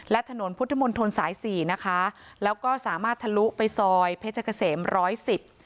และถนนพุทธมนตรสายสี่นะคะแล้วก็สามารถทะลุไปซอยเพชรเกษมร้อยสิบ